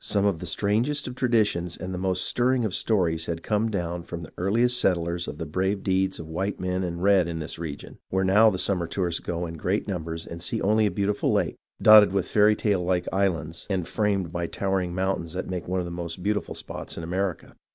Some of the strangest of traditions and the most stirring of stories had come down from the earliest settlers of the brave deeds of white men and red in this region, where now the summer tourists go in great numbers and see only a beautiful lake, dotted with fairy like islands and framed by towering mountains that make one of the most beautiful spots in America.